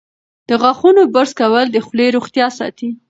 د غاښونو برس کول د خولې روغتیا ساتي.